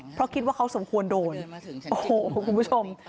เพราะคิดว่าเขาสมควรโดนโอ้โหคุณผู้ชม